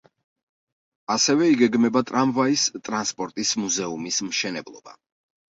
ასევე იგეგმება ტრამვაის ტრანსპორტის მუზეუმის მშენებლობა.